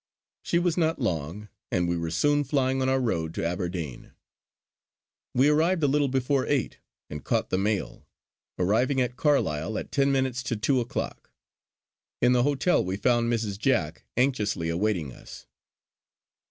She was not long; and we were soon flying on our road to Aberdeen. We arrived a little before eight and caught the mail; arriving at Carlisle at ten minutes to two o'clock. In the hotel we found Mrs. Jack anxiously awaiting us.